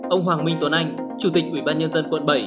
ông hoàng minh tuấn anh chủ tịch ubnd quận bảy